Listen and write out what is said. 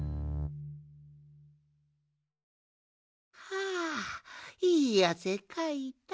はあいいあせかいた。